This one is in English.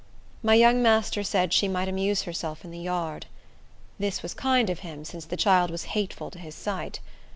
My young master said she might amuse herself in the yard. This was kind of him, since the child was hateful to his sight.